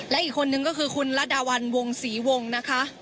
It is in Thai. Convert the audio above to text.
และอีกคนหนึ่งคือคุณรัฐดาวัลวงศรีวงศ์